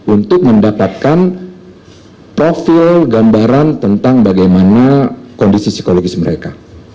untuk mendapatkan profil gambaran tentang bagaimana kondisi psikologis mereka